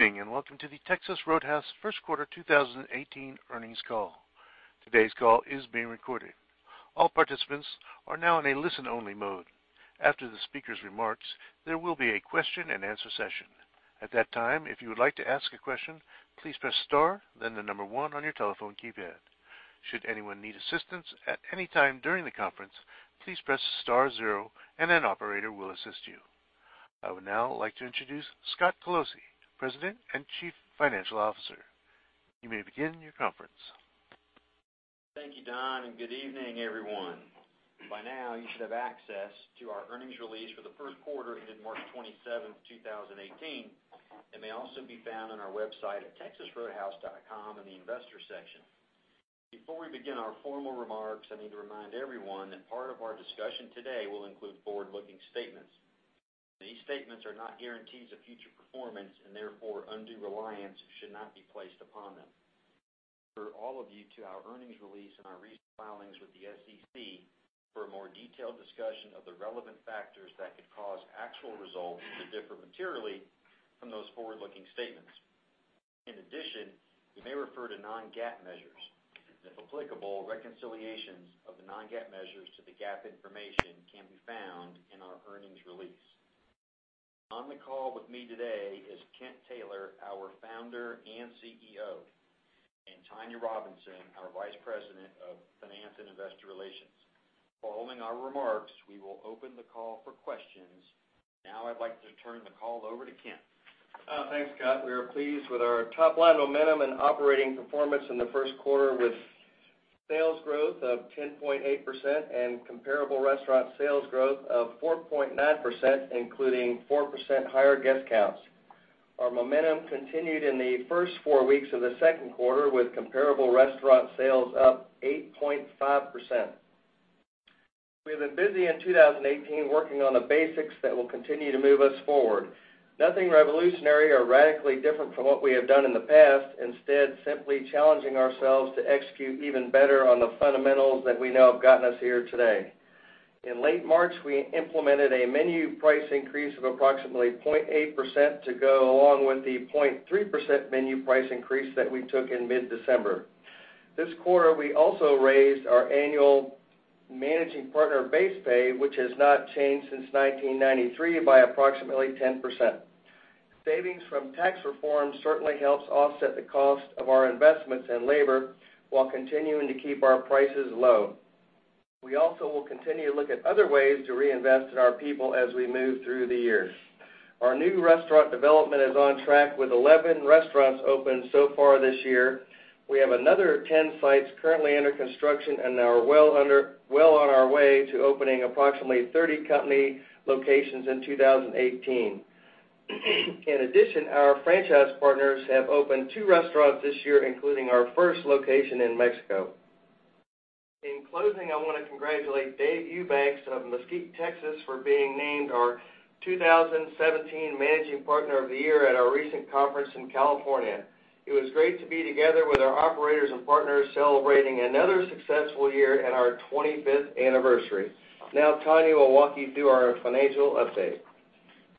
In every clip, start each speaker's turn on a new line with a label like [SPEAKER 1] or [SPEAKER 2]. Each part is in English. [SPEAKER 1] Good evening. Welcome to the Texas Roadhouse first quarter 2018 earnings call. Today's call is being recorded. All participants are now in a listen-only mode. After the speaker's remarks, there will be a question and answer session. At that time, if you would like to ask a question, please press star, then the number one on your telephone keypad. Should anyone need assistance at any time during the conference, please press star zero and an operator will assist you. I would now like to introduce Scott Colosi, President and Chief Financial Officer. You may begin your conference.
[SPEAKER 2] Thank you, Don. Good evening, everyone. By now, you should have access to our earnings release for the first quarter ended March 27, 2018. It may also be found on our website at texasroadhouse.com in the investor section. Before we begin our formal remarks, I need to remind everyone that part of our discussion today will include forward-looking statements. These statements are not guarantees of future performance, therefore, undue reliance should not be placed upon them. I refer all of you to our earnings release and our recent filings with the SEC for a more detailed discussion of the relevant factors that could cause actual results to differ materially from those forward-looking statements. In addition, we may refer to non-GAAP measures. If applicable, reconciliations of the non-GAAP measures to the GAAP information can be found in our earnings release. On the call with me today is Kent Taylor, our Founder and CEO, Tonya Robinson, our Vice President of Finance and Investor Relations. Following our remarks, we will open the call for questions. I'd like to turn the call over to Kent.
[SPEAKER 3] Thanks, Scott. We are pleased with our top-line momentum and operating performance in the first quarter, with sales growth of 10.8% and comparable restaurant sales growth of 4.9%, including 4% higher guest counts. Our momentum continued in the first four weeks of the second quarter, with comparable restaurant sales up 8.5%. We have been busy in 2018 working on the basics that will continue to move us forward. Nothing revolutionary or radically different from what we have done in the past, instead simply challenging ourselves to execute even better on the fundamentals that we know have gotten us here today. In late March, we implemented a menu price increase of approximately 0.8% to go along with the 0.3% menu price increase that we took in mid-December. This quarter, we also raised our annual managing partner base pay, which has not changed since 1993, by approximately 10%. Savings from tax reform certainly helps offset the cost of our investments in labor while continuing to keep our prices low. We also will continue to look at other ways to reinvest in our people as we move through the year. Our new restaurant development is on track, with 11 restaurants opened so far this year. We have another 10 sites currently under construction and are well on our way to opening approximately 30 company locations in 2018. In addition, our franchise partners have opened two restaurants this year, including our first location in Mexico. In closing, I want to congratulate Dave Eubanks of Mesquite, Texas, for being named our 2017 Managing Partner of the Year at our recent conference in California. It was great to be together with our operators and partners, celebrating another successful year at our 25th anniversary. Tonya will walk you through our financial update.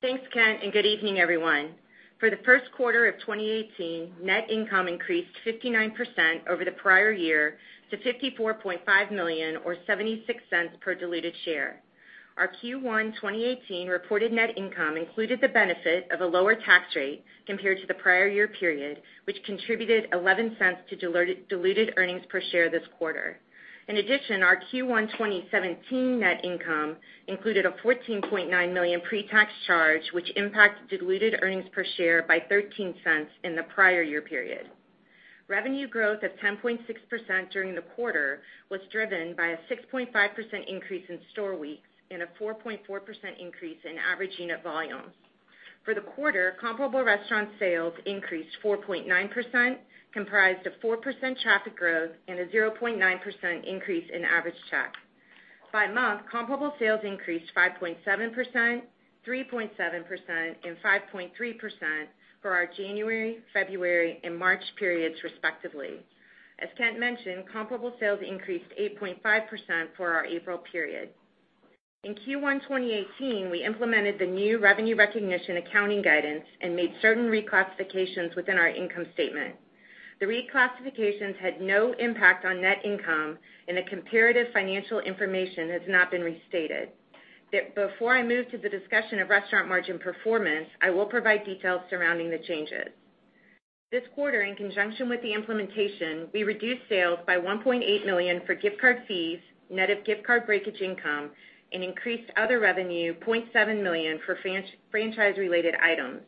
[SPEAKER 4] Thanks, Kent. Good evening, everyone. For the first quarter of 2018, net income increased 59% over the prior year to $54.5 million, or $0.76 per diluted share. Our Q1 2018 reported net income included the benefit of a lower tax rate compared to the prior year period, which contributed $0.11 to diluted earnings per share this quarter. In addition, our Q1 2017 net income included a $14.9 million pre-tax charge, which impacted diluted earnings per share by $0.13 in the prior year period. Revenue growth of 10.6% during the quarter was driven by a 6.5% increase in store weeks and a 4.4% increase in average unit volume. For the quarter, comparable restaurant sales increased 4.9%, comprised of 4% traffic growth and a 0.9% increase in average check. By month, comparable sales increased 5.7%, 3.7%, and 5.3% for our January, February, and March periods respectively. As Kent mentioned, comparable sales increased 8.5% for our April period. In Q1 2018, we implemented the new revenue recognition accounting guidance and made certain reclassifications within our income statement. The reclassifications had no impact on net income. The comparative financial information has not been restated. Before I move to the discussion of restaurant margin performance, I will provide details surrounding the changes. This quarter, in conjunction with the implementation, we reduced sales by $1.8 million for gift card fees, net of gift card breakage income, and increased other revenue $0.7 million for franchise-related items.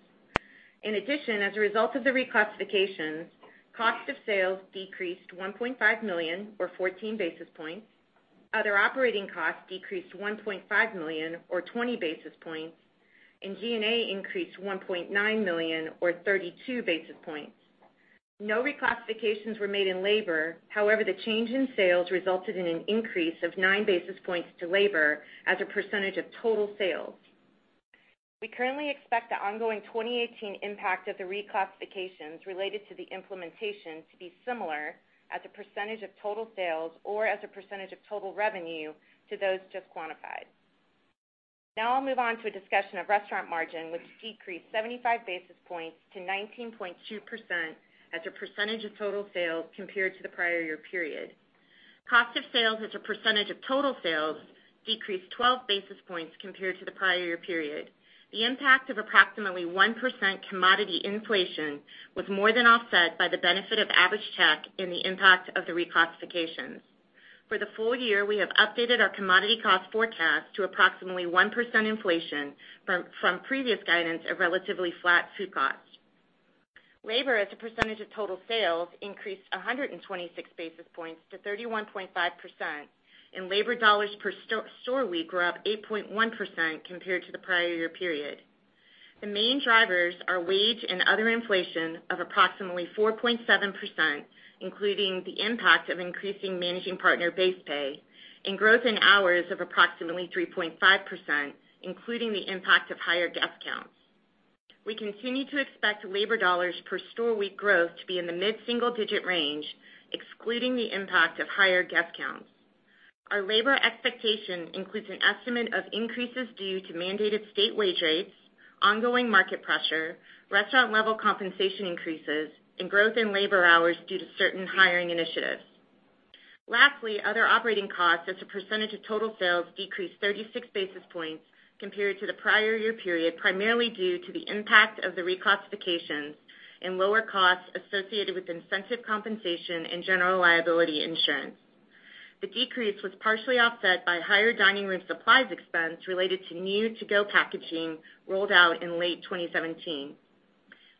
[SPEAKER 4] As a result of the reclassifications, cost of sales decreased $1.5 million or 14 basis points, other operating costs decreased $1.5 million or 20 basis points, and G&A increased $1.9 million or 32 basis points. No reclassifications were made in labor. The change in sales resulted in an increase of nine basis points to labor as a percentage of total sales. We currently expect the ongoing 2018 impact of the reclassifications related to the implementation to be similar as a percentage of total sales or as a percentage of total revenue to those just quantified. I'll move on to a discussion of restaurant margin, which decreased 75 basis points to 19.2% as a percentage of total sales compared to the prior year period. Cost of sales as a percentage of total sales decreased 12 basis points compared to the prior year period. The impact of approximately 1% commodity inflation was more than offset by the benefit of average check and the impact of the reclassifications. For the full year, we have updated our commodity cost forecast to approximately 1% inflation from previous guidance of relatively flat food costs. Labor as a percentage of total sales increased 126 basis points to 31.5%, and labor dollars per store week were up 8.1% compared to the prior year period. The main drivers are wage and other inflation of approximately 4.7%, including the impact of increasing managing partner base pay, and growth in hours of approximately 3.5%, including the impact of higher guest counts. We continue to expect labor dollars per store week growth to be in the mid-single digit range, excluding the impact of higher guest counts. Our labor expectation includes an estimate of increases due to mandated state wage rates, ongoing market pressure, restaurant-level compensation increases, and growth in labor hours due to certain hiring initiatives. Lastly, other operating costs as a percentage of total sales decreased 36 basis points compared to the prior year period, primarily due to the impact of the reclassifications and lower costs associated with incentive compensation and general liability insurance. The decrease was partially offset by higher dining room supplies expense related to new to-go packaging rolled out in late 2017.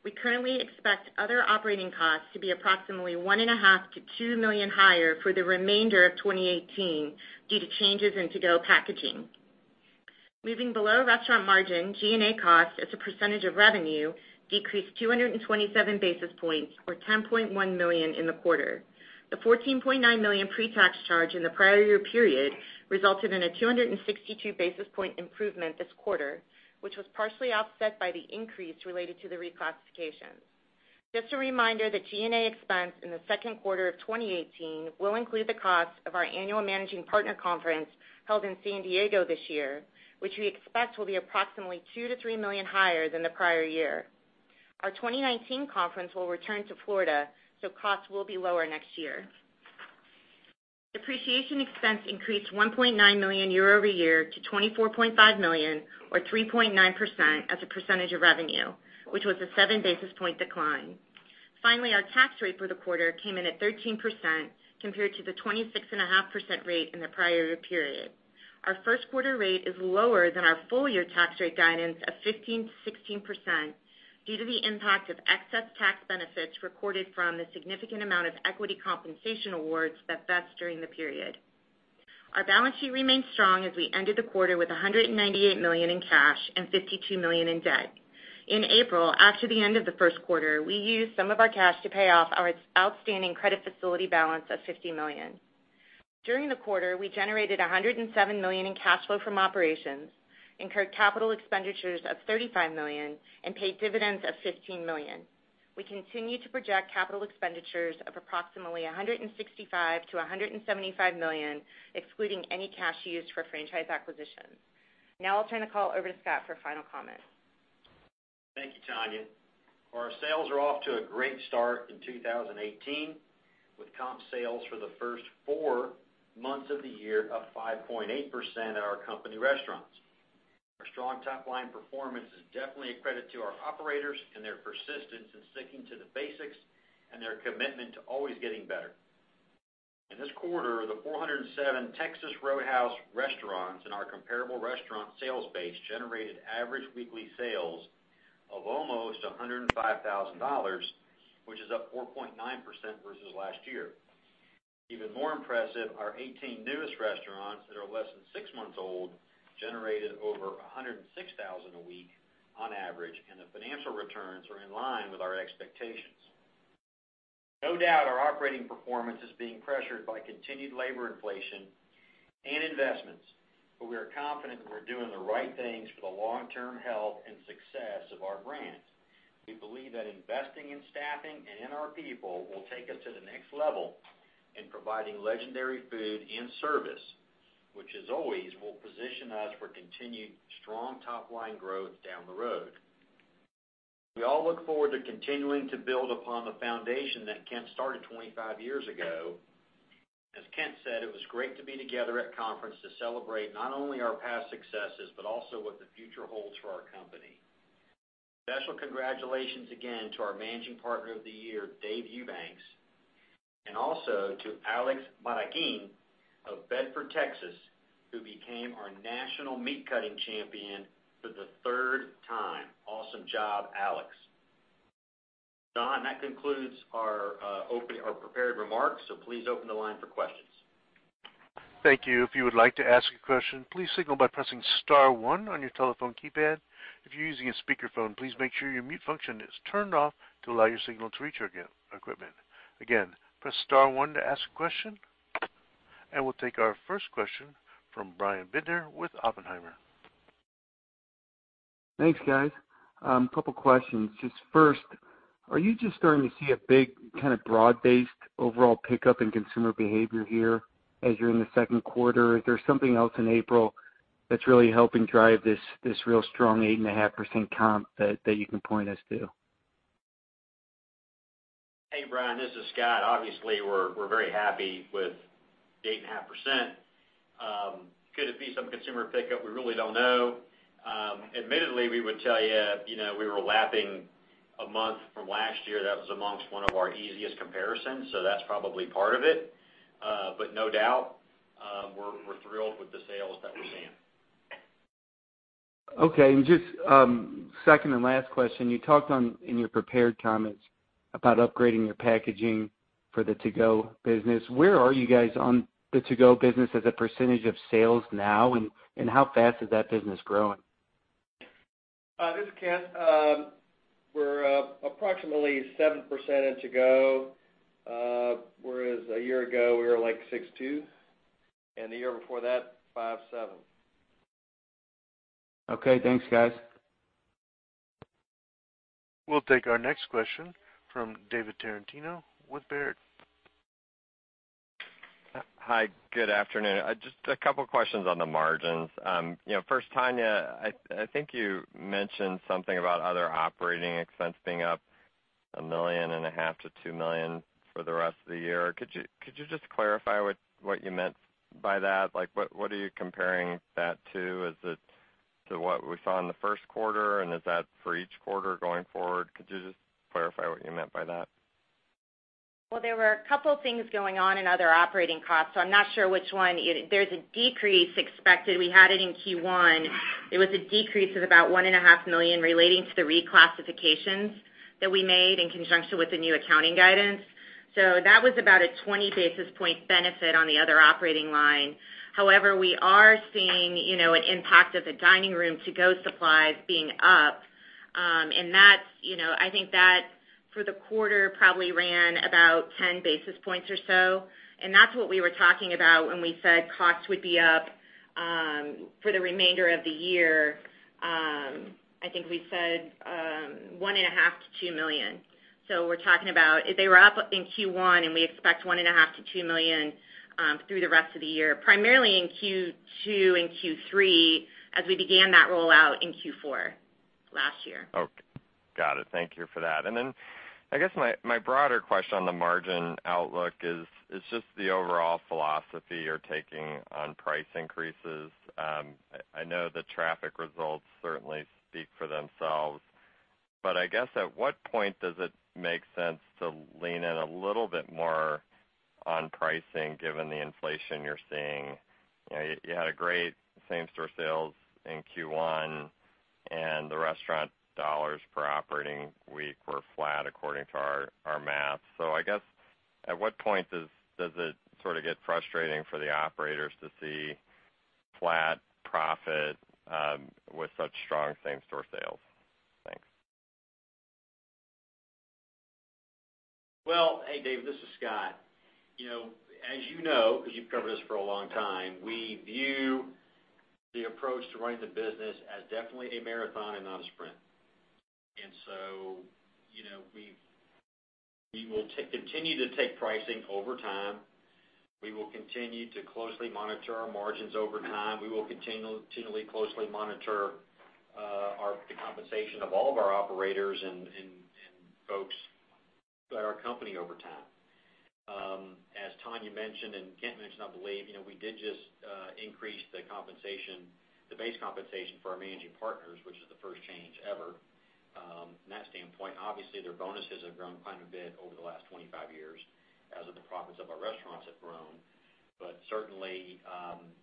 [SPEAKER 4] We currently expect other operating costs to be approximately $1.5 million-$2 million higher for the remainder of 2018 due to changes in to-go packaging. Moving below restaurant margin, G&A costs as a percentage of revenue decreased 227 basis points or $10.1 million in the quarter. The $14.9 million pre-tax charge in the prior year period resulted in a 262 basis point improvement this quarter, which was partially offset by the increase related to the reclassifications. Just a reminder that G&A expense in the second quarter of 2018 will include the cost of our annual managing partner conference held in San Diego this year, which we expect will be approximately $2 million-$3 million higher than the prior year. Our 2019 conference will return to Florida, so costs will be lower next year. Depreciation expense increased $1.9 million year-over-year to $24.5 million or 3.9% as a percentage of revenue, which was a seven basis point decline. Finally, our tax rate for the quarter came in at 13% compared to the 26.5% rate in the prior year period. Our first quarter rate is lower than our full year tax rate guidance of 15%-16% due to the impact of excess tax benefits recorded from the significant amount of equity compensation awards that vested during the period. Our balance sheet remains strong as we ended the quarter with $198 million in cash and $52 million in debt. In April, after the end of the first quarter, we used some of our cash to pay off our outstanding credit facility balance of $50 million. During the quarter, we generated $107 million in cash flow from operations, incurred capital expenditures of $35 million, and paid dividends of $15 million. We continue to project capital expenditures of approximately $165 million-$175 million, excluding any cash used for franchise acquisitions. I'll turn the call over to Scott for final comments.
[SPEAKER 2] Thank you, Tonya. Our sales are off to a great start in 2018, with comp sales for the first four months of the year up 5.8% at our company restaurants. Our strong top-line performance is definitely a credit to our operators and their persistence in sticking to the basics and their commitment to always getting better. In this quarter, the 407 Texas Roadhouse restaurants in our comparable restaurant sales base generated average weekly sales of almost $105,000, which is up 4.9% versus last year. Even more impressive, our 18 newest restaurants that are less than six months old generated over $106,000 a week on average, and the financial returns are in line with our expectations. No doubt our operating performance is being pressured by continued labor inflation and investments. We are confident that we're doing the right things for the long-term health and success of our brands. We believe that investing in staffing and in our people will take us to the next level in providing legendary food and service, which as always, will position us for continued strong top-line growth down the road. We all look forward to continuing to build upon the foundation that Kent started 25 years ago. As Kent said, it was great to be together at conference to celebrate not only our past successes, but also what the future holds for our company. Special congratulations again to our Managing Partner of the Year, Dave Eubanks, and also to Alex Marroquin of Bedford, Texas, who became our national meat cutting champion for the third time. Awesome job, Alex. Don, that concludes our prepared remarks. Please open the line for questions.
[SPEAKER 1] Thank you. If you would like to ask a question, please signal by pressing star one on your telephone keypad. If you're using a speakerphone, please make sure your mute function is turned off to allow your signal to reach our equipment. Again, press star one to ask a question. We'll take our first question from Bryan Binder with Oppenheimer.
[SPEAKER 5] Thanks, guys. Couple questions. Just first, are you just starting to see a big kind of broad-based overall pickup in consumer behavior here as you're in the second quarter? Is there something else in April that's really helping drive this real strong 8.5% comp that you can point us to?
[SPEAKER 2] Hey, Bryan, this is Scott. We're very happy with the 8.5%. Could it be some consumer pickup? We really don't know. Admittedly, we would tell you, we were lapping a month from last year that was amongst one of our easiest comparisons, so that's probably part of it. No doubt, we're thrilled with the sales that we're seeing.
[SPEAKER 5] Okay. Just second and last question, you talked on in your prepared comments about upgrading your packaging for the to-go business. Where are you guys on the to-go business as a percentage of sales now, and how fast is that business growing?
[SPEAKER 3] This is Kent. We're approximately 7% in to-go. Whereas a year ago, we were like 6.2%, and the year before that, 5.7%.
[SPEAKER 5] Okay, thanks, guys.
[SPEAKER 1] We'll take our next question from David Tarantino with Baird.
[SPEAKER 6] Hi, good afternoon. Just a couple questions on the margins. First, Tonya, I think you mentioned something about other operating expense being up $1.5 million-$2 million for the rest of the year. Could you just clarify what you meant by that? What are you comparing that to? Is it to what we saw in the first quarter, and is that for each quarter going forward? Could you just clarify what you meant by that?
[SPEAKER 4] Well, there were a couple things going on in other operating costs, so I'm not sure which one. There's a decrease expected. We had it in Q1. It was a decrease of about $1.5 million relating to the reclassifications that we made in conjunction with the new accounting guidance. That was about a 20-basis point benefit on the other operating line. However, we are seeing an impact of the dining room to-go supplies being up. I think that, for the quarter, probably ran about 10 basis points or so, and that's what we were talking about when we said costs would be up for the remainder of the year. I think we said $1.5 million-$2 million. We're talking about, they were up in Q1, and we expect $1.5 million-$2 million through the rest of the year, primarily in Q2 and Q3, as we began that rollout in Q4 last year.
[SPEAKER 6] Okay. Got it. Thank you for that. I guess my broader question on the margin outlook is just the overall philosophy you're taking on price increases. I know the traffic results certainly speak for themselves, at what point does it make sense to lean in a little bit more on pricing given the inflation you're seeing? You had a great same-store sales in Q1, and the restaurant $ per operating week were flat according to our math. At what point does it sort of get frustrating for the operators to see flat profit with such strong same-store sales? Thanks.
[SPEAKER 2] Well, hey, Dave, this is Scott. As you know, because you've covered us for a long time, we view the approach to running the business as definitely a marathon and not a sprint. We will continue to take pricing over time. We will continue to closely monitor our margins over time. We will continually closely monitor the compensation of all of our operators and folks at our company over time. As Tonya mentioned, and Kent mentioned, I believe, we did just increase the base compensation for our managing partners, which is the first change ever. From that standpoint, obviously their bonuses have grown quite a bit over the last 25 years, as have the profits of our restaurants have grown.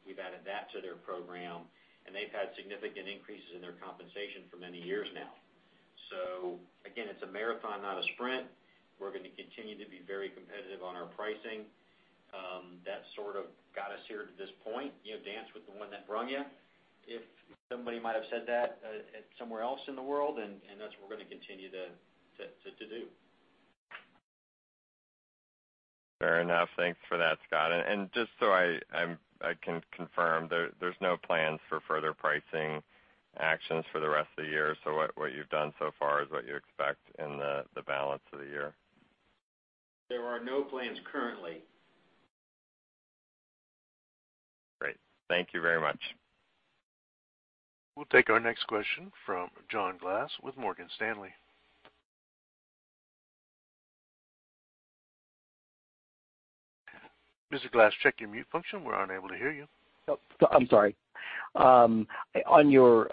[SPEAKER 2] We've added that to their program, and they've had significant increases in their compensation for many years now. Again, it's a marathon, not a sprint. We're going to continue to be very competitive on our pricing. That sort of got us here to this point. Dance with the one that brung you. Somebody might have said that somewhere else in the world, that's what we're going to continue to do.
[SPEAKER 6] Fair enough. Thanks for that, Scott. Just so I can confirm, there's no plans for further pricing actions for the rest of the year. What you've done so far is what you expect in the balance of the year?
[SPEAKER 3] There are no plans currently.
[SPEAKER 6] Great. Thank you very much.
[SPEAKER 1] We'll take our next question from John Glass with Morgan Stanley. Mr. Glass, check your mute function. We're unable to hear you.
[SPEAKER 7] Oh, I'm sorry. On your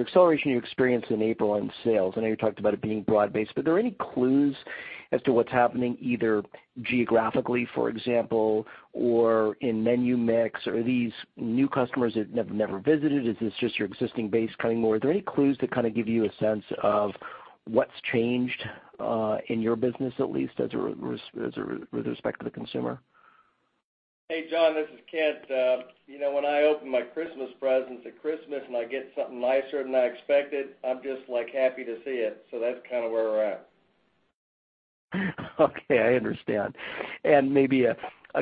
[SPEAKER 7] acceleration you experienced in April on sales, I know you talked about it being broad-based, but are there any clues as to what's happening, either geographically, for example, or in menu mix? Are these new customers that have never visited? Is this just your existing base coming more? Are there any clues that kind of give you a sense of what's changed, in your business at least, with respect to the consumer?
[SPEAKER 3] Hey, John, this is Kent. When I open my Christmas presents at Christmas and I get something nicer than I expected, I'm just happy to see it. That's kind of where we're at.
[SPEAKER 7] Okay, I understand. Maybe,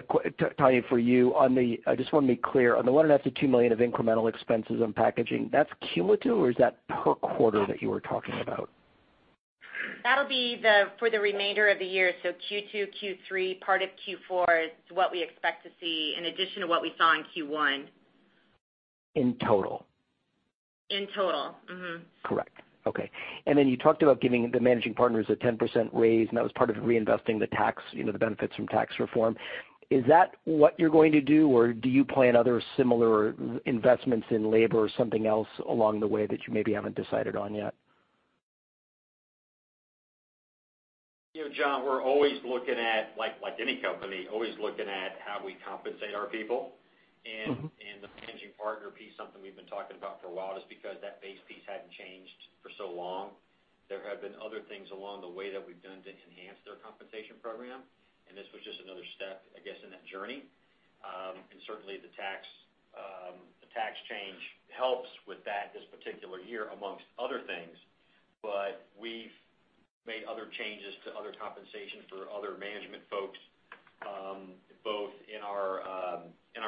[SPEAKER 7] Tonya, for you, I just want to be clear. On the $1.5-$ million of incremental expenses on packaging, that's cumulative, or is that per quarter that you were talking about?
[SPEAKER 4] That'll be for the remainder of the year. Q2, Q3, part of Q4 is what we expect to see in addition to what we saw in Q1.
[SPEAKER 7] In total?
[SPEAKER 4] In total. Mm-hmm.
[SPEAKER 7] Correct. Okay. You talked about giving the managing partners a 10% raise, and that was part of reinvesting the benefits from tax reform. Is that what you're going to do, or do you plan other similar investments in labor or something else along the way that you maybe haven't decided on yet?
[SPEAKER 2] John, we're, like any company, always looking at how we compensate our people. The managing partner piece, something we've been talking about for a while, just because that base piece hadn't changed for so long. There have been other things along the way that we've done to enhance their compensation program, this was just another step, I guess, in that journey. Certainly, the tax change helps with that this particular year, amongst other things. We've made other changes to other compensation for other management folks, both in our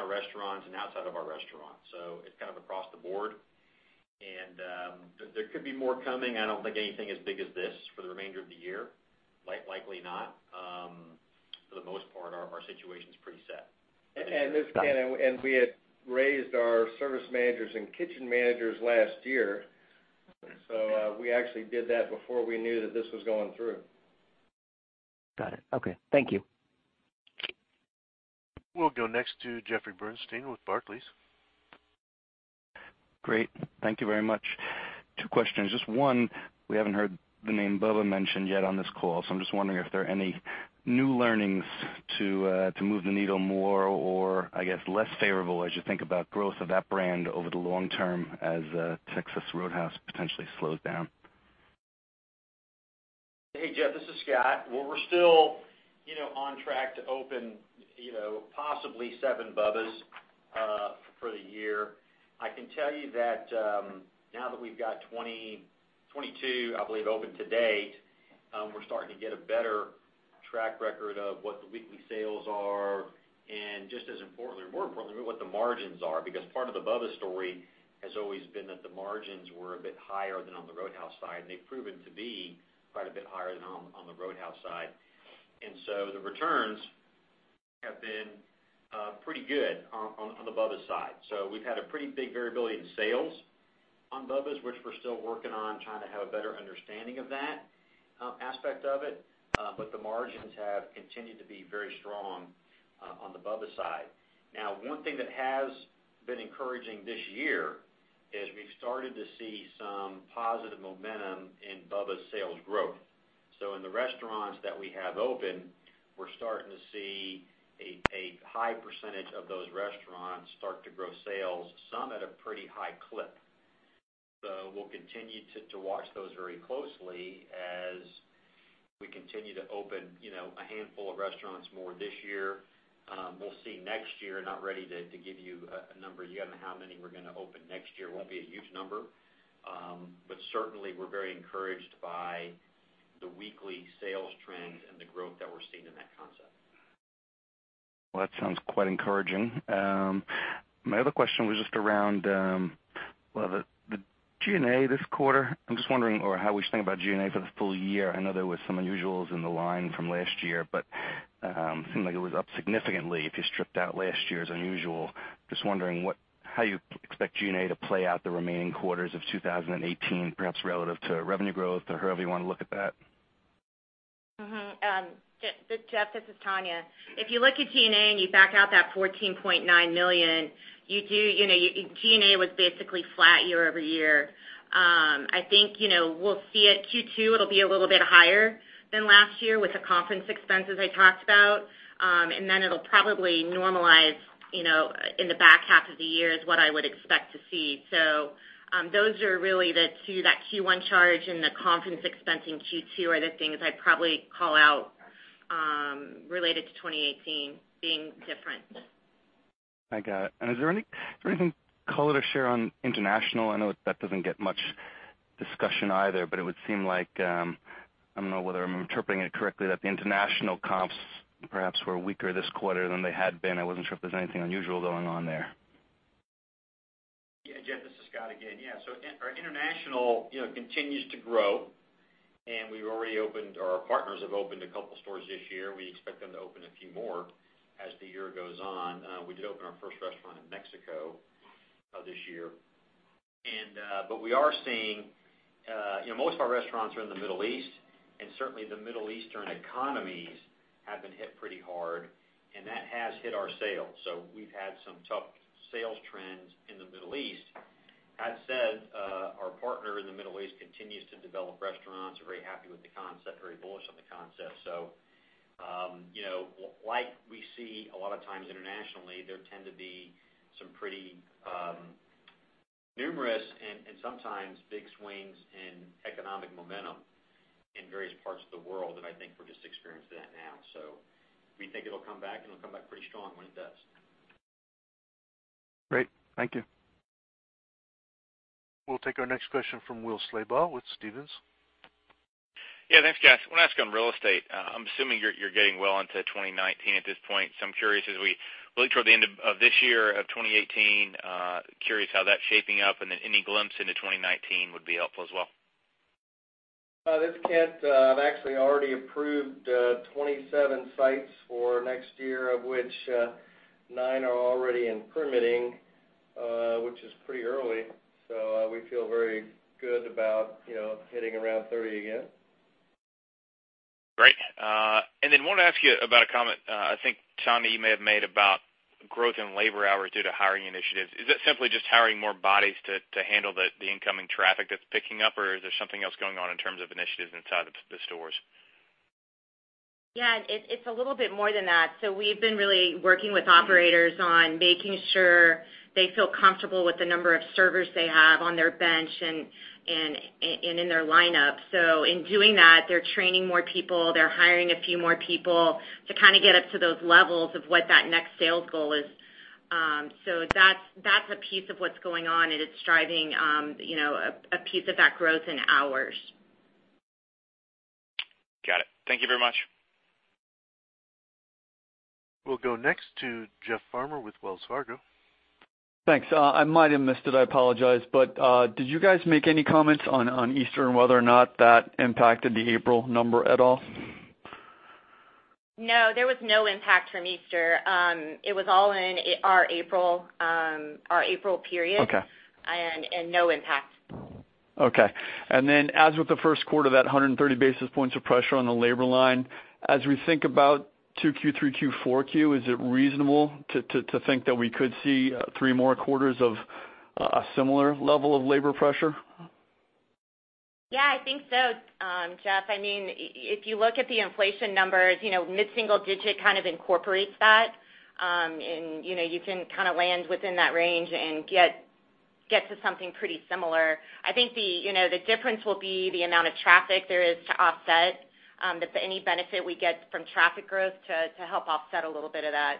[SPEAKER 2] restaurants and outside of our restaurants. It's kind of across the board. There could be more coming. I don't think anything as big as this for the remainder of the year. Likely not. For the most part, our situation's pretty set.
[SPEAKER 3] This is Kent, we had raised our service managers and kitchen managers last year. We actually did that before we knew that this was going through.
[SPEAKER 7] Got it. Okay. Thank you.
[SPEAKER 1] We'll go next to Jeffrey Bernstein with Barclays.
[SPEAKER 8] Great. Thank you very much. Two questions. Just one, we haven't heard the name Bubba mentioned yet on this call, I'm just wondering if there are any new learnings to move the needle more or, I guess, less favorable as you think about growth of that brand over the long term as Texas Roadhouse potentially slows down.
[SPEAKER 2] Hey, Jeff, this is Scott. We're still on track to open possibly seven Bubbas for the year. I can tell you that now that we've got 22, I believe, open to date, we're starting to get a better track record of what the weekly sales are and just as importantly or more importantly, what the margins are. Part of the Bubba story has always been that the margins were a bit higher than on the Roadhouse side, and they've proven to be quite a bit higher than on the Roadhouse side. The returns have been pretty good on the Bubba side. We've had a pretty big variability in sales on Bubba's, which we're still working on trying to have a better understanding of that aspect of it. The margins have continued to be very strong on the Bubba side. One thing that has been encouraging this year is we've started to see some positive momentum in Bubba's sales growth. In the restaurants that we have open, we're starting to see a high percentage of those restaurants start to grow sales, some at a pretty high clip. We'll continue to watch those very closely as we continue to open a handful of restaurants more this year. We'll see next year. Not ready to give you a number yet on how many we're going to open next year. Won't be a huge number. Certainly, we're very encouraged by the weekly sales trends and the growth that we're seeing in that concept.
[SPEAKER 8] That sounds quite encouraging. My other question was just around the G&A this quarter. I'm just wondering, or how we should think about G&A for the full year. I know there was some unusuals in the line from last year, but it seemed like it was up significantly if you stripped out last year's unusual. Just wondering how you expect G&A to play out the remaining quarters of 2018, perhaps relative to revenue growth or however you want to look at that.
[SPEAKER 4] Jeff, this is Tonya. If you look at G&A and you back out that $14.9 million, G&A was basically flat year-over-year. I think we'll see at Q2 it'll be a little bit higher than last year with the conference expenses I talked about. It'll probably normalize in the back half of the year is what I would expect to see. Those are really the two, that Q1 charge and the conference expense in Q2 are the things I'd probably call out related to 2018 being different.
[SPEAKER 8] I got it. Is there anything color to share on international? I know that doesn't get much discussion either, it would seem like, I don't know whether I'm interpreting it correctly, that the international comps perhaps were weaker this quarter than they had been. I wasn't sure if there's anything unusual going on there.
[SPEAKER 2] Yeah. Jeff, this is Scott Colosi again. Yeah. Our international continues to grow, and our partners have opened a couple stores this year. We expect them to open a few more as the year goes on. We did open our first restaurant in Mexico this year. Most of our restaurants are in the Middle East, and certainly the Middle Eastern economies have been hit pretty hard, and that has hit our sales. We've had some tough sales trends in the Middle East. That said, our partner in the Middle East continues to develop restaurants. They're very happy with the concept, very bullish on the concept. Like we see a lot of times internationally, there tend to be some pretty numerous and sometimes big swings in economic momentum in various parts of the world, and I think we're just experiencing that now. We think it'll come back, and it'll come back pretty strong when it does.
[SPEAKER 8] Great. Thank you.
[SPEAKER 1] We'll take our next question from Will Slabaugh with Stephens.
[SPEAKER 9] Yeah, thanks, guys. I want to ask on real estate, I'm assuming you're getting well into 2019 at this point. I'm curious as we look toward the end of this year, of 2018, curious how that's shaping up, any glimpse into 2019 would be helpful as well.
[SPEAKER 3] This is Kent. I've actually already approved 27 sites for next year, of which nine are already in permitting, which is pretty early. We feel very good about hitting around 30 again.
[SPEAKER 9] Great. Wanted to ask you about a comment, I think, Tonya, you may have made about growth in labor hours due to hiring initiatives. Is that simply just hiring more bodies to handle the incoming traffic that's picking up, or is there something else going on in terms of initiatives inside the stores?
[SPEAKER 4] Yeah, it's a little bit more than that. We've been really working with operators on making sure they feel comfortable with the number of servers they have on their bench and in their lineup. In doing that, they're training more people, they're hiring a few more people to get up to those levels of what that next sales goal is. That's a piece of what's going on, and it's driving a piece of that growth in hours.
[SPEAKER 9] Got it. Thank you very much.
[SPEAKER 1] We'll go next to Jeff Farmer with Wells Fargo.
[SPEAKER 10] Thanks. I might have missed it, I apologize, but did you guys make any comments on Easter and whether or not that impacted the April number at all?
[SPEAKER 4] No, there was no impact from Easter. It was all in our April period.
[SPEAKER 10] Okay.
[SPEAKER 4] No impact.
[SPEAKER 10] Okay. As with the first quarter, that 130 basis points of pressure on the labor line, as we think about 2Q, 3Q, 4Q, is it reasonable to think that we could see three more quarters of a similar level of labor pressure?
[SPEAKER 4] Yeah, I think so, Jeff. If you look at the inflation numbers, mid-single digit kind of incorporates that. You can land within that range and get to something pretty similar. I think the difference will be the amount of traffic there is to offset, if any benefit we get from traffic growth to help offset a little bit of that.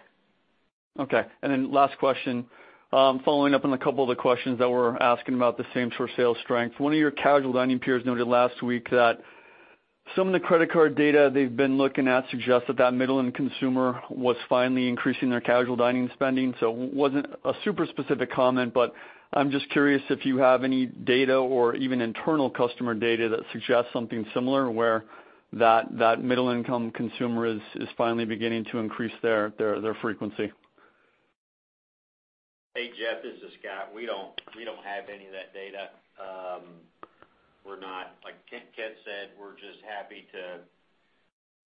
[SPEAKER 10] Okay. Last question. Following up on a couple of the questions that were asking about the same-store sales strength. One of your casual dining peers noted last week that some of the credit card data they've been looking at suggests that that middle-income consumer was finally increasing their casual dining spending. It wasn't a super specific comment, but I'm just curious if you have any data or even internal customer data that suggests something similar, where that middle-income consumer is finally beginning to increase their frequency.
[SPEAKER 2] Hey, Jeff, this is Scott. We don't have any of that data. Like Kent said, we're just happy to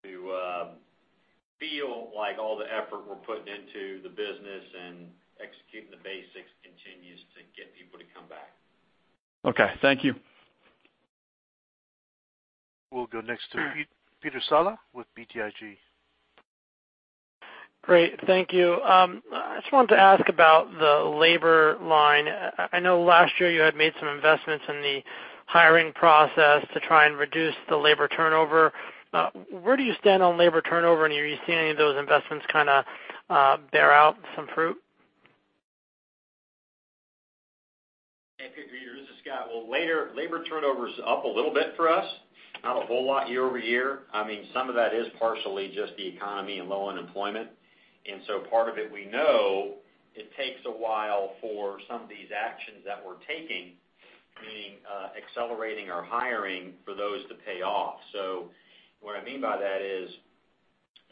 [SPEAKER 2] feel like all the effort we're putting into the business and executing the basics continues to get people to come back.
[SPEAKER 10] Okay. Thank you.
[SPEAKER 1] We'll go next to Peter Saleh with BTIG.
[SPEAKER 11] Great. Thank you. I just wanted to ask about the labor line. I know last year you had made some investments in the hiring process to try and reduce the labor turnover. Where do you stand on labor turnover, and are you seeing any of those investments bear out some fruit?
[SPEAKER 2] Hey, Peter, this is Scott. Well, labor turnover is up a little bit for us, not a whole lot year-over-year. Some of that is partially just the economy and low unemployment. Part of it, we know it takes a while for some of these actions that we're taking, meaning accelerating our hiring, for those to pay off. What I mean by that is,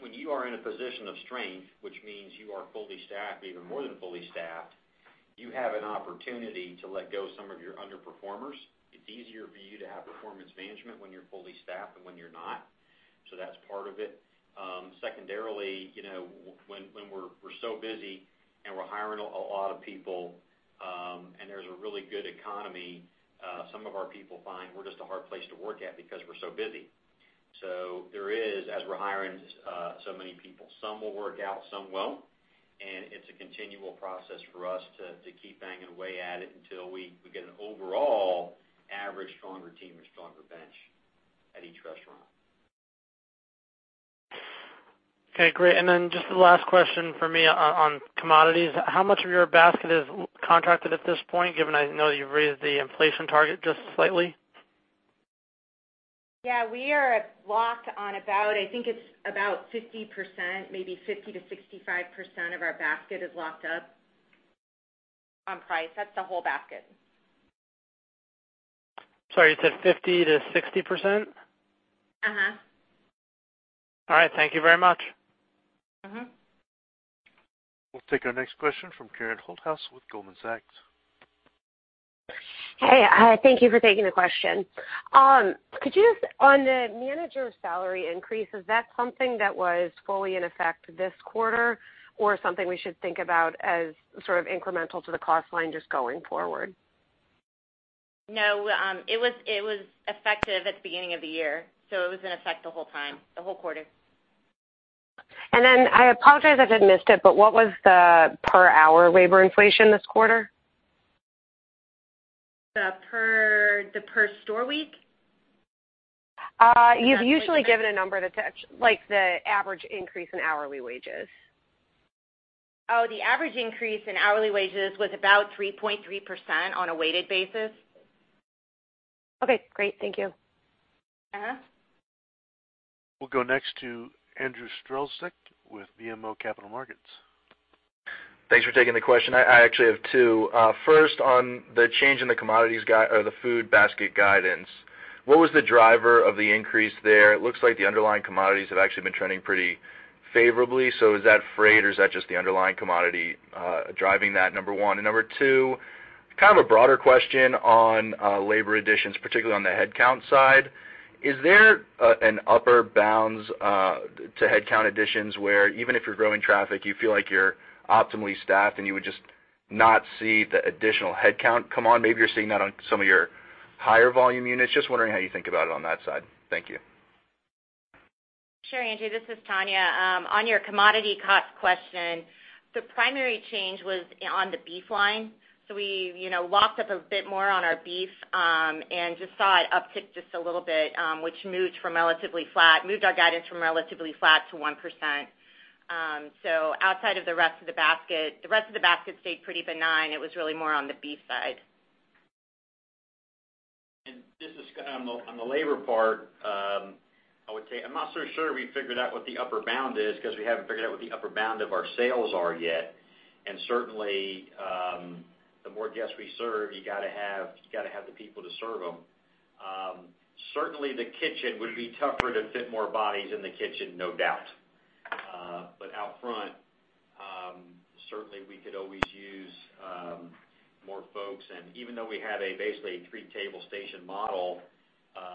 [SPEAKER 2] when you are in a position of strength, which means you are fully staffed, even more than fully staffed, you have an opportunity to let go of some of your underperformers. It's easier for you to have performance management when you're fully staffed than when you're not. That's part of it. Secondarily, when we're so busy and we're hiring a lot of people, and there's a really good economy, some of our people find we're just a hard place to work at because we're so busy. There is, as we're hiring so many people, some will work out, some won't. It's a continual process for us to keep banging away at it until we get an overall average stronger team or stronger bench at each restaurant.
[SPEAKER 11] Okay, great. Just the last question from me on commodities. How much of your basket is contracted at this point, given I know you've raised the inflation target just slightly?
[SPEAKER 4] Yeah, we are locked on about, I think it's about 50%, maybe 50% to 65% of our basket is locked up on price. That's the whole basket.
[SPEAKER 11] Sorry, you said 50% to 60%? All right. Thank you very much.
[SPEAKER 1] We'll take our next question from Karen Holthouse with Goldman Sachs.
[SPEAKER 12] Hey, thank you for taking the question. Could you just, on the manager salary increase, is that something that was fully in effect this quarter, or something we should think about as sort of incremental to the cost line just going forward?
[SPEAKER 4] No, it was effective at the beginning of the year. It was in effect the whole time, the whole quarter.
[SPEAKER 12] I apologize if I missed it. What was the per hour labor inflation this quarter?
[SPEAKER 4] The per store week?
[SPEAKER 12] You've usually given a number that's like the average increase in hourly wages.
[SPEAKER 4] The average increase in hourly wages was about 3.3% on a weighted basis.
[SPEAKER 12] Okay, great. Thank you.
[SPEAKER 1] We'll go next to Andrew Strelzik with BMO Capital Markets.
[SPEAKER 13] Thanks for taking the question. I actually have two. First, on the change in the commodities guide or the food basket guidance, what was the driver of the increase there? It looks like the underlying commodities have actually been trending pretty favorably. Is that freight or is that just the underlying commodity driving that? Number one. Number two, kind of a broader question on labor additions, particularly on the headcount side. Is there an upper bounds to headcount additions where even if you're growing traffic, you feel like you're optimally staffed and you would just not see the additional headcount come on? Maybe you're seeing that on some of your higher volume units. Just wondering how you think about it on that side. Thank you.
[SPEAKER 4] Sure, Andrew. This is Tonya. On your commodity cost question, the primary change was on the beef line. We locked up a bit more on our beef, and just saw it uptick just a little bit, which moved our guidance from relatively flat to 1%. Outside of the rest of the basket, the rest of the basket stayed pretty benign. It was really more on the beef side.
[SPEAKER 2] This is Scott. On the labor part, I would say I'm not so sure we figured out what the upper bound is because we haven't figured out what the upper bound of our sales are yet. Certainly, the more guests we serve, you got to have the people to serve them. Certainly, the kitchen would be tougher to fit more bodies in the kitchen, no doubt. Out front, certainly we could always use more folks. Even though we have a, basically, a three-table station model,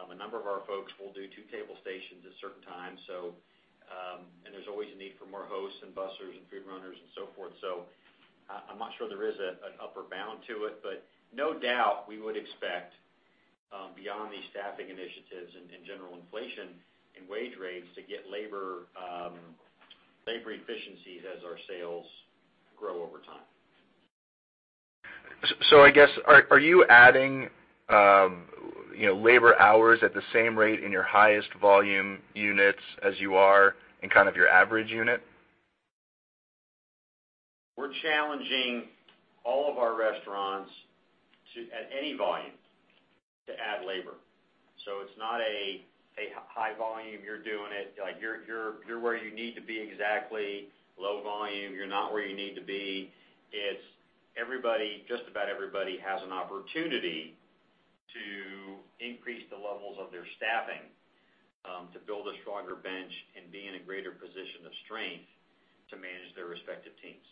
[SPEAKER 2] a number of our folks will do two-table stations at certain times. There's always a need for more hosts and bussers and food runners and so forth. I'm not sure there is an upper bound to it, but no doubt we would expect, beyond these staffing initiatives and general inflation in wage rates, to get labor efficiency as our sales grow over time.
[SPEAKER 13] I guess, are you adding labor hours at the same rate in your highest volume units as you are in kind of your average unit?
[SPEAKER 2] We're challenging all of our restaurants at any volume to add labor. It's not a high volume, you're doing it, like you're where you need to be exactly. Low volume, you're not where you need to be. It's just about everybody has an opportunity to increase the levels of their staffing, to build a stronger bench and be in a greater position of strength to manage their respective teams.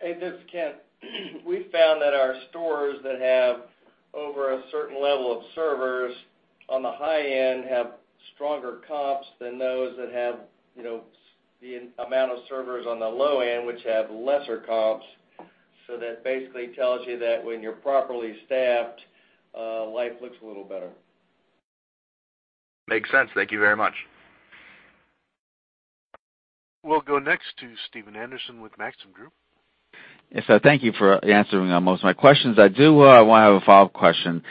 [SPEAKER 3] Hey, this is Kent. We found that our stores that have over a certain level of servers on the high end have stronger comps than those that have the amount of servers on the low end, which have lesser comps. That basically tells you that when you're properly staffed, life looks a little better.
[SPEAKER 13] Makes sense. Thank you very much.
[SPEAKER 1] We'll go next to Stephen Anderson with Maxim Group.
[SPEAKER 14] Yes, thank you for answering most of my questions. I do want to have a follow-up question.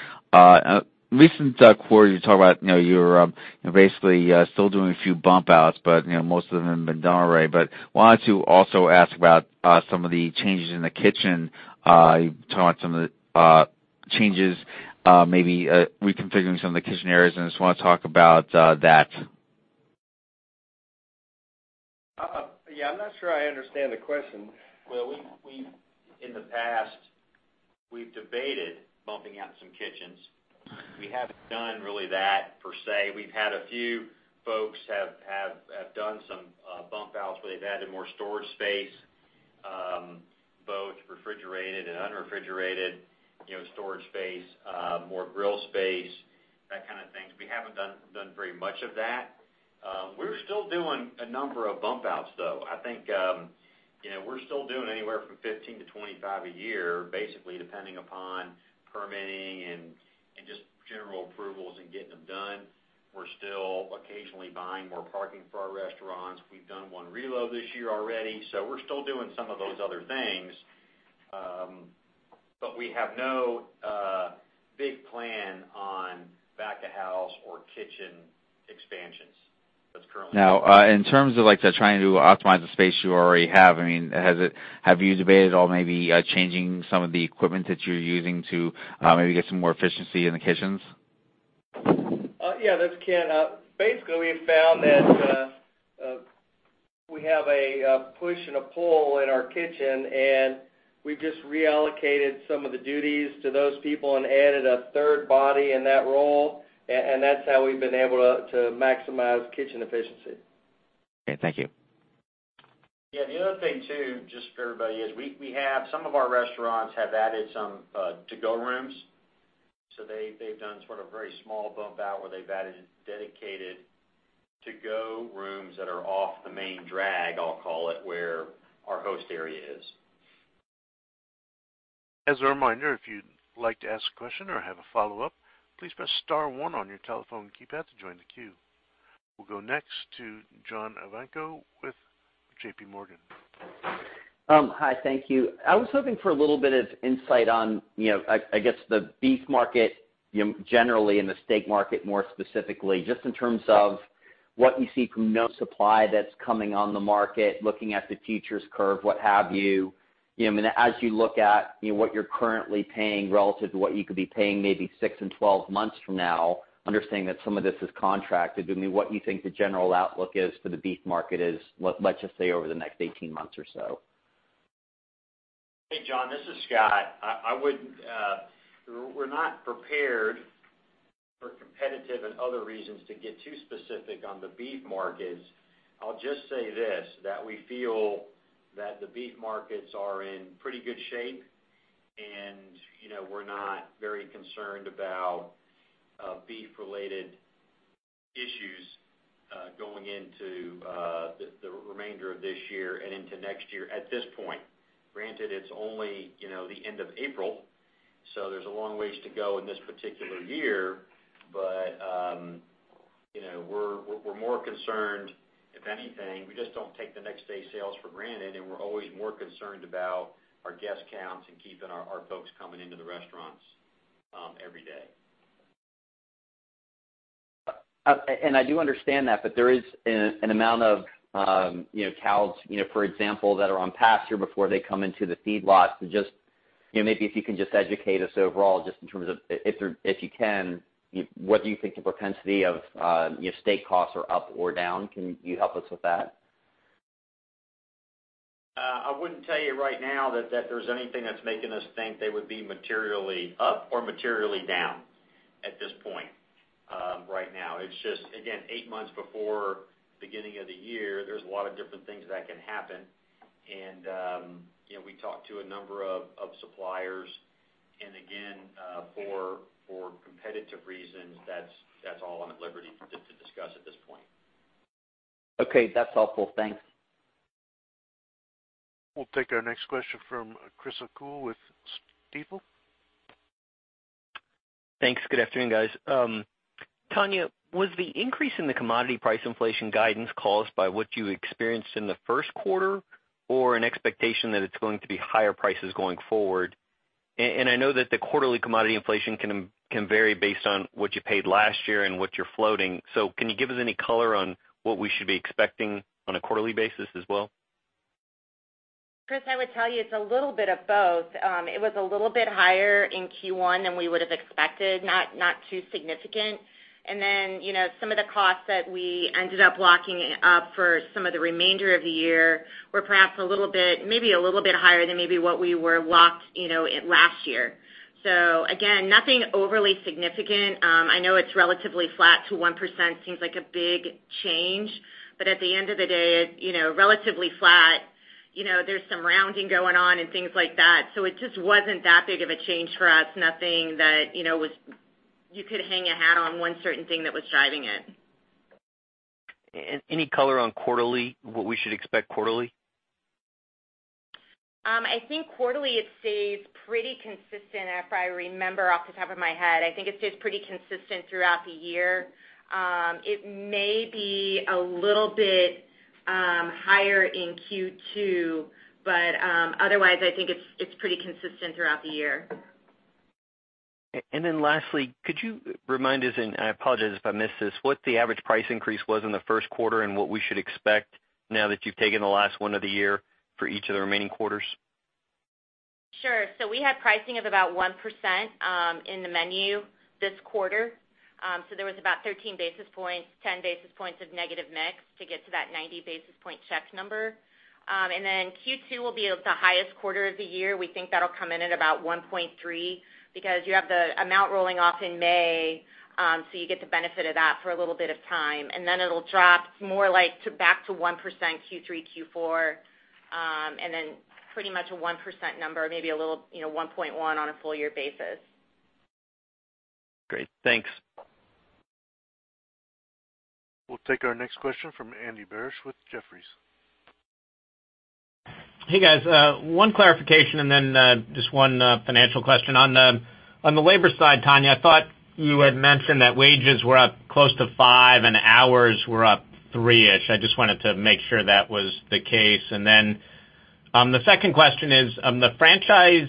[SPEAKER 14] Recent quarter, you talked about you're basically still doing a few bump outs, but most of them have been done already. Wanted to also ask about some of the changes in the kitchen. You talked some of the changes, maybe reconfiguring some of the kitchen areas, and I just want to talk about that.
[SPEAKER 3] Yeah, I'm not sure I understand the question.
[SPEAKER 2] Well, in the past, we've debated bumping out some kitchens. We haven't done really that per se. We've had a few folks have done some bump outs where they've added more storage space, both refrigerated and unrefrigerated storage space, more grill space, that kind of thing. We haven't done very much of that. We're still doing a number of bump outs, though. I think we're still doing anywhere from 15 to 25 a year, basically depending upon permitting and just general approvals and getting them done. We're still occasionally buying more parking for our restaurants. We've done one reload this year already, so we're still doing some of those other things. We have no big plan on back of house or kitchen expansions.
[SPEAKER 14] Now, in terms of trying to optimize the space you already have you debated at all maybe changing some of the equipment that you're using to maybe get some more efficiency in the kitchens?
[SPEAKER 3] Yeah, this is Kent. Basically, we have found that we have a push and a pull in our kitchen. We've just reallocated some of the duties to those people and added a third body in that role. That's how we've been able to maximize kitchen efficiency.
[SPEAKER 14] Okay, thank you.
[SPEAKER 2] Yeah, the other thing, too, just for everybody is we have some of our restaurants have added some to-go rooms. They've done sort of very small bump out where they've added dedicated to-go rooms that are off the main drag, I'll call it, where our host area is.
[SPEAKER 1] As a reminder, if you'd like to ask a question or have a follow-up, please press *1 on your telephone keypad to join the queue. We'll go next to John Ivankoe with J.P. Morgan.
[SPEAKER 15] Hi, thank you. I was hoping for a little bit of insight on, I guess, the beef market generally, and the steak market more specifically, just in terms of what you see from net supply that's coming on the market, looking at the futures curve, what have you. As you look at what you're currently paying relative to what you could be paying maybe six and 12 months from now, understanding that some of this is contracted, what you think the general outlook is for the beef market is, let's just say over the next 18 months or so.
[SPEAKER 2] Hey, John, this is Scott. We're not prepared for competitive and other reasons to get too specific on the beef markets. I'll just say this, that we feel that the beef markets are in pretty good shape, and we're not very concerned about beef-related issues going into the remainder of this year and into next year, at this point. Granted, it's only the end of April, so there's a long ways to go in this particular year. We're more concerned, if anything, we just don't take the next day sales for granted, and we're always more concerned about our guest counts and keeping our folks coming into the restaurants every day.
[SPEAKER 15] I do understand that, but there is an amount of cows, for example, that are on pasture before they come into the feedlot. Maybe if you can just educate us overall, just in terms of, if you can, what do you think the propensity of steak costs are up or down. Can you help us with that?
[SPEAKER 2] I wouldn't tell you right now that there's anything that's making us think they would be materially up or materially down at this point right now. It's just, again, eight months before beginning of the year, there's a lot of different things that can happen. We talked to a number of suppliers, and again, for competitive reasons, that's all I'm at liberty to discuss at this point.
[SPEAKER 15] Okay, that's helpful. Thanks.
[SPEAKER 1] We'll take our next question from Chris O'Cull with Stifel.
[SPEAKER 16] Thanks. Good afternoon, guys. Tonya, was the increase in the commodity price inflation guidance caused by what you experienced in the first quarter or an expectation that it's going to be higher prices going forward? I know that the quarterly commodity inflation can vary based on what you paid last year and what you're floating. Can you give us any color on what we should be expecting on a quarterly basis as well?
[SPEAKER 4] Chris, I would tell you it's a little bit of both. It was a little bit higher in Q1 than we would have expected. Not too significant. Some of the costs that we ended up locking up for some of the remainder of the year were perhaps maybe a little bit higher than maybe what we were locked last year. Again, nothing overly significant. I know it's relatively flat to 1%, seems like a big change. At the end of the day, relatively flat. There's some rounding going on and things like that. It just wasn't that big of a change for us. Nothing that you could hang a hat on one certain thing that was driving it.
[SPEAKER 16] Any color on quarterly, what we should expect quarterly?
[SPEAKER 4] I think quarterly, it stays pretty consistent. If I remember off the top of my head, I think it stays pretty consistent throughout the year. It may be a little bit higher in Q2, but otherwise, I think it's pretty consistent throughout the year.
[SPEAKER 16] Lastly, could you remind us, and I apologize if I missed this, what the average price increase was in the first quarter and what we should expect now that you've taken the last one of the year for each of the remaining quarters?
[SPEAKER 4] Sure. We had pricing of about 1% in the menu this quarter. There was about 13 basis points, 10 basis points of negative mix to get to that 90 basis point check number. Q2 will be the highest quarter of the year. We think that'll come in at about 1.3 because you have the amount rolling off in May, you get the benefit of that for a little bit of time. It'll drop more like back to 1% Q3, Q4, and then pretty much a 1% number, maybe a little 1.1 on a full year basis.
[SPEAKER 16] Great. Thanks.
[SPEAKER 1] We'll take our next question from Andy Barish with Jefferies.
[SPEAKER 17] Hey, guys. One clarification and then just one financial question. On the labor side, Tonya, I thought you had mentioned that wages were up close to 5% and hours were up 3-ish%. I just wanted to make sure that was the case. The second question is the franchise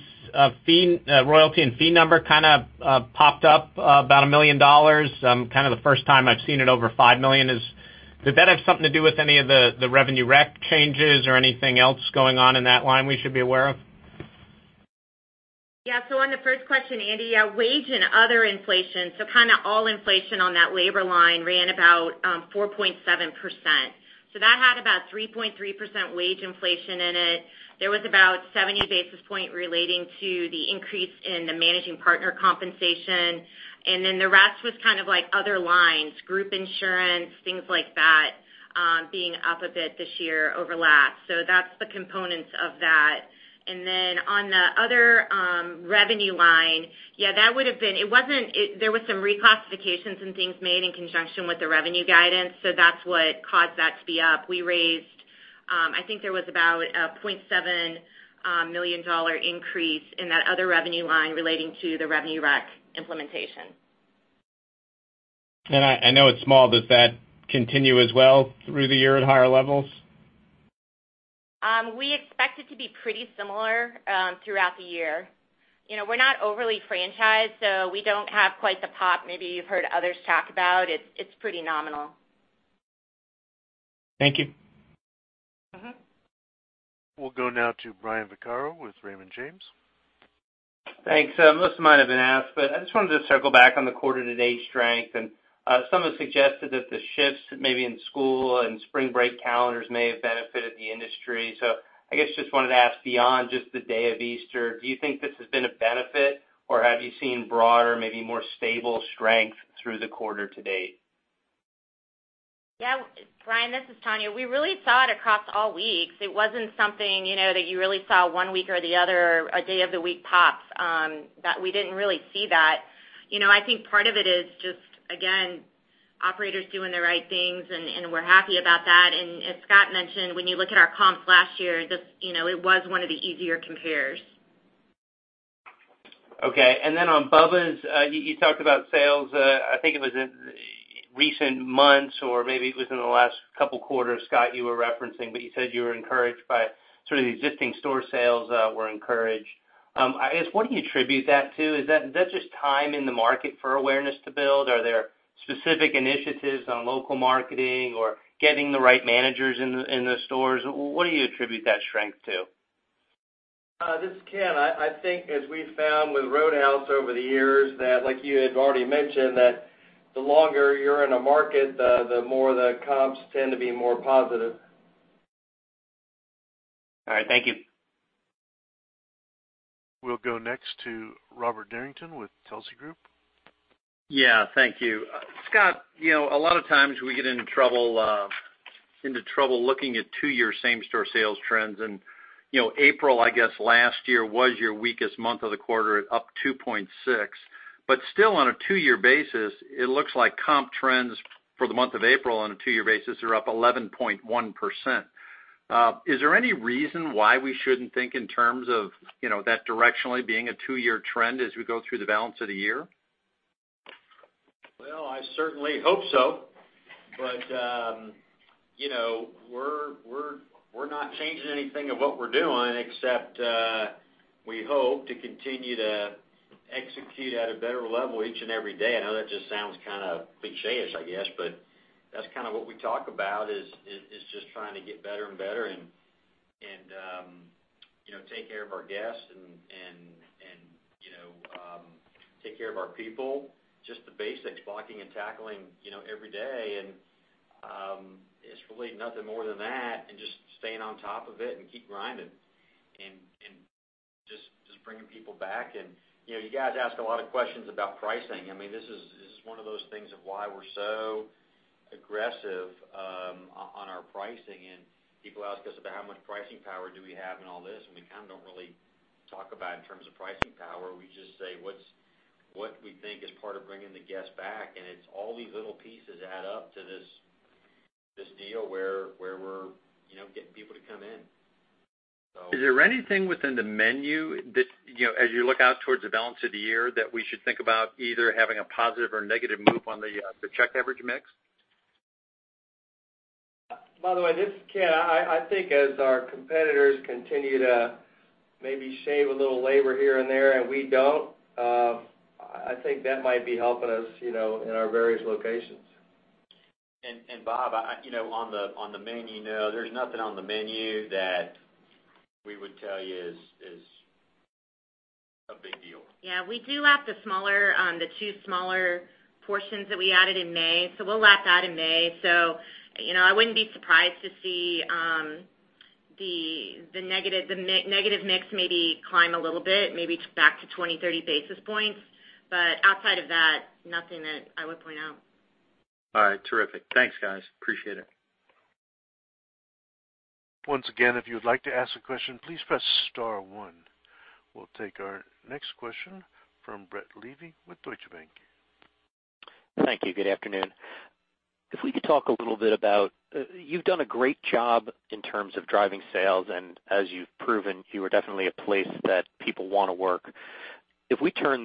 [SPEAKER 17] royalty and fee number kind of popped up about $1 million, kind of the first time I've seen it over $5 million. Did that have something to do with any of the revenue rec changes or anything else going on in that line we should be aware of?
[SPEAKER 4] Yeah. On the first question, Andy, wage and other inflation, all inflation on that labor line ran about 4.7%. That had about 3.3% wage inflation in it. There was about 70 basis points relating to the increase in the managing partner compensation, the rest was like other lines, group insurance, things like that being up a bit this year over last. That's the components of that. On the other revenue line, yeah, there was some reclassifications and things made in conjunction with the revenue guidance. That's what caused that to be up. We raised I think there was about a $0.7 million increase in that other revenue line relating to the RevenueRec implementation.
[SPEAKER 17] I know it's small. Does that continue as well through the year at higher levels?
[SPEAKER 4] We expect it to be pretty similar throughout the year. We're not overly franchised, we don't have quite the pop maybe you've heard others talk about. It's pretty nominal.
[SPEAKER 17] Thank you.
[SPEAKER 1] We'll go now to Brian Vaccaro with Raymond James.
[SPEAKER 18] Thanks. Most might have been asked, but I just wanted to circle back on the quarter-to-date strength. Some have suggested that the shifts maybe in school and spring break calendars may have benefited the industry. I guess just wanted to ask beyond just the day of Easter, do you think this has been a benefit, or have you seen broader, maybe more stable strength through the quarter to date?
[SPEAKER 4] Yeah. Brian, this is Tonya. We really saw it across all weeks. It wasn't something that you really saw one week or the other, a day of the week pops. We didn't really see that. I think part of it is just, again, operators doing the right things, and we're happy about that. As Scott mentioned, when you look at our comps last year, it was one of the easier compares.
[SPEAKER 18] Okay. Then on Bubba's, you talked about sales, I think it was in recent months or maybe within the last couple of quarters, Scott, you were referencing, but you said you were encouraged by sort of the existing store sales were encouraged. I guess, what do you attribute that to? Is that just time in the market for awareness to build? Are there specific initiatives on local marketing or getting the right managers in the stores? What do you attribute that strength to?
[SPEAKER 3] This is Kent. I think as we've found with Roadhouse over the years that, like you had already mentioned, that the longer you're in a market, the more the comps tend to be more positive.
[SPEAKER 18] All right. Thank you.
[SPEAKER 1] We'll go next to Robert Derrington with Telsey Advisory Group.
[SPEAKER 19] Yeah. Thank you. Scott, a lot of times we get into trouble looking at two-year same-store sales trends. April, I guess last year was your weakest month of the quarter at up 2.6%. Still on a two-year basis, it looks like comp trends for the month of April on a two-year basis are up 11.1%. Is there any reason why we shouldn't think in terms of that directionally being a two-year trend as we go through the balance of the year?
[SPEAKER 2] I certainly hope so. We're not changing anything of what we're doing except we hope to continue to execute at a better level each and every day. I know that just sounds kind of cliché-ish, I guess, but that's kind of what we talk about is just trying to get better and better and take care of our guests and take care of our people. Just the basics, blocking and tackling every day, and it's really nothing more than that and just staying on top of it and keep grinding and just bringing people back. You guys ask a lot of questions about pricing. This is one of those things of why we're so aggressive on our pricing, and people ask us about how much pricing power do we have and all this, and we kind of don't really talk about in terms of pricing power. We just say what we think is part of bringing the guests back, and it's all these little pieces add up to this deal where we're getting people to come in.
[SPEAKER 19] Is there anything within the menu that as you look out towards the balance of the year, that we should think about either having a positive or negative move on the check average mix?
[SPEAKER 3] By the way, this is Kent. I think as our competitors continue to maybe shave a little labor here and there and we don't, I think that might be helping us in our various locations.
[SPEAKER 2] Bob, on the menu, there's nothing on the menu that we would tell you is a big deal.
[SPEAKER 4] Yeah. We do lap the two smaller portions that we added in May. We'll lap that in May. I wouldn't be surprised to see the negative mix maybe climb a little bit, maybe back to 20, 30 basis points. Outside of that, nothing that I would point out.
[SPEAKER 19] All right. Terrific. Thanks, guys. Appreciate it.
[SPEAKER 1] Once again, if you would like to ask a question, please press star one. We'll take our next question from Brett Levy with Deutsche Bank.
[SPEAKER 20] Thank you. Good afternoon. If we could talk a little bit about, you've done a great job in terms of driving sales, and as you've proven, you are definitely a place that people want to work. If we turn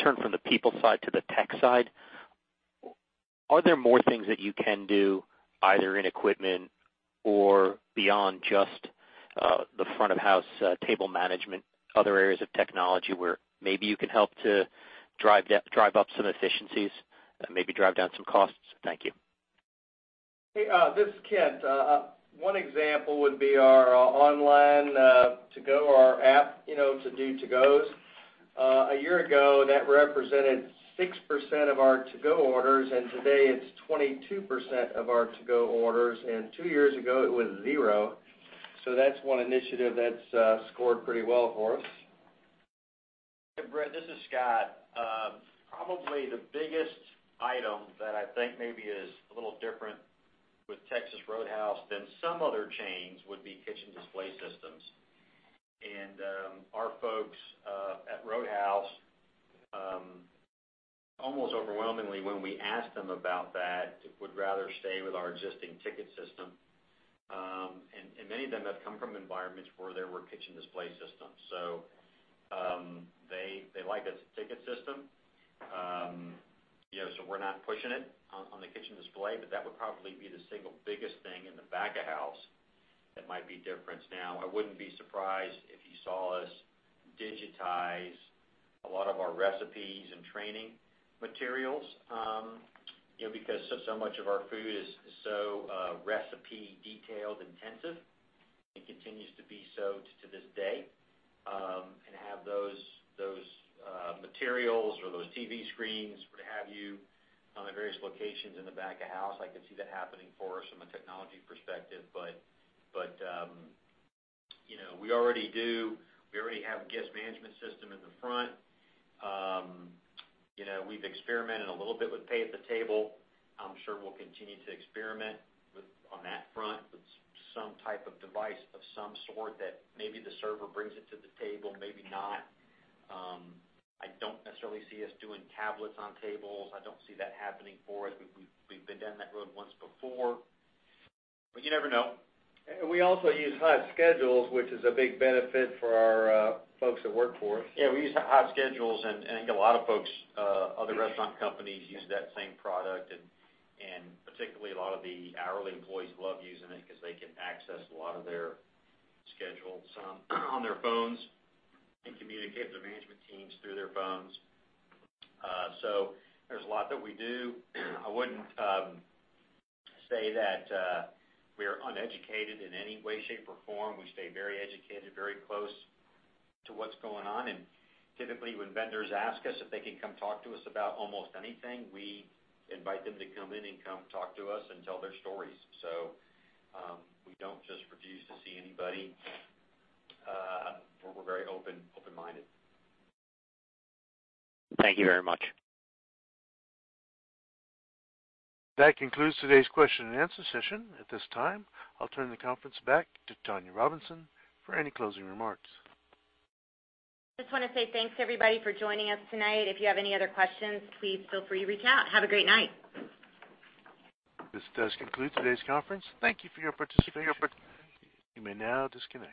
[SPEAKER 20] from the people side to the tech side, are there more things that you can do either in equipment or beyond just the front of house table management, other areas of technology where maybe you can help to drive up some efficiencies, maybe drive down some costs? Thank you.
[SPEAKER 3] This is Kent. One example would be our online to-go or app to do to-gos. A year ago, that represented 6% of our to-go orders, and today it's 22% of our to-go orders, and two years ago it was zero. That's one initiative that's scored pretty well for us.
[SPEAKER 2] Hey, Brett, this is Scott. Probably the biggest item that I think maybe is a little different with Texas Roadhouse than some other chains would be kitchen display systems. Our folks at Roadhouse overwhelmingly, when we ask them about that, would rather stay with our existing ticket system. Many of them have come from environments where there were kitchen display systems. They like a ticket system. We're not pushing it on the kitchen display, but that would probably be the single biggest thing in the back of house that might be different. I wouldn't be surprised if you saw us digitize a lot of our recipes and training materials, because so much of our food is so recipe detailed intensive and continues to be so to this day, and have those materials or those TV screens, what have you, on the various locations in the back of house. I could see that happening for us from a technology perspective. We already have guest management system in the front. We've experimented a little bit with pay at the table. I'm sure we'll continue to experiment on that front with some type of device of some sort that maybe the server brings it to the table, maybe not. I don't necessarily see us doing tablets on tables. I don't see that happening for us. We've been down that road once before, but you never know.
[SPEAKER 3] We also use HotSchedules, which is a big benefit for our folks that work for us.
[SPEAKER 2] We use HotSchedules, and I think a lot of folks, other restaurant companies use that same product, and particularly a lot of the hourly employees love using it because they can access a lot of their schedules on their phones and communicate with their management teams through their phones. There's a lot that we do. I wouldn't say that we're uneducated in any way, shape, or form. We stay very educated, very close to what's going on. Typically, when vendors ask us if they can come talk to us about almost anything, we invite them to come in and come talk to us and tell their stories. We don't just refuse to see anybody. We're very open-minded.
[SPEAKER 20] Thank you very much.
[SPEAKER 1] That concludes today's question and answer session. At this time, I'll turn the conference back to Tonya Robinson for any closing remarks.
[SPEAKER 4] Just want to say thanks everybody for joining us tonight. If you have any other questions, please feel free to reach out. Have a great night.
[SPEAKER 1] This does conclude today's conference. Thank you for your participation. You may now disconnect.